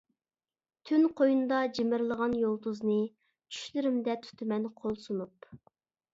تۈن قوينىدا جىمىرلىغان يۇلتۇزنى، چۈشلىرىمدە تۇتىمەن قول سۇنۇپ.